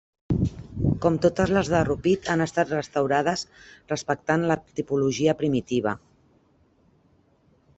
Com totes les de Rupit han estat restaurades respectant la tipologia primitiva.